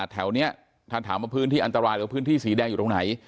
แถวนี้ถ้าถามว่าพื้นที่อันตรายหรือพื้นที่สีแดงอยู่ตรงไหน